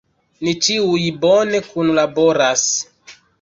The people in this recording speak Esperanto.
Ni ĉiuj bone kunlaboras.